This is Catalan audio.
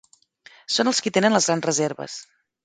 Són els qui tenen les grans reserves.